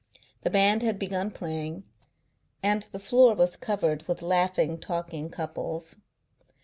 The band had begun playing, and the floor was covered with laughing, talking couples.